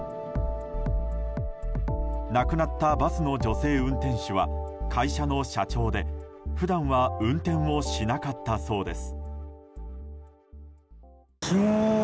亡くなったバスの女性運転手は会社の社長で普段は運転をしなかったそうです。